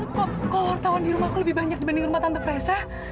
kok wartawan di rumahku lebih banyak dibanding rumah tante fresh